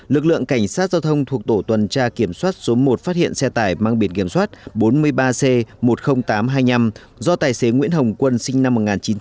lực lượng cảnh sát giao thông thuộc tổ tuần tra kiểm soát số một phát hiện xe tải mang biển kiểm soát bốn mươi ba c một mươi nghìn tám trăm hai mươi năm do tài xế nguyễn hồng quân sinh năm một nghìn chín trăm tám mươi